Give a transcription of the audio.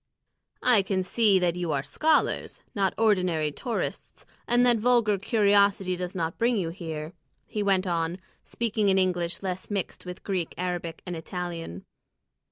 "I can see that you are scholars, not ordinary tourists, and that vulgar curiosity does not bring you here," he went on, speaking in English less mixed with Greek, Arabic, and Italian.